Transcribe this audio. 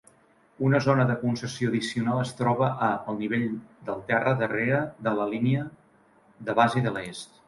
Una zona de concessió addicional es troba a al nivell del terra darrera de la línia de base de l'est.